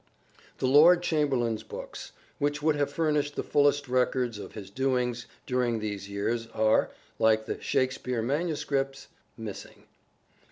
The Lord Chamberlain's Books, which would have furnished the fullest records of his doings during these years, are, like the " Shakespeare " manuscripts, missing.